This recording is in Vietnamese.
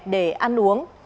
để ăn uống